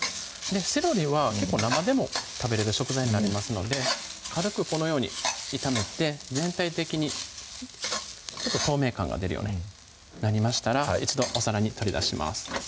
セロリは生でも食べれる食材になりますので軽くこのように炒めて全体的に透明感が出るようになりましたら一度お皿に取り出します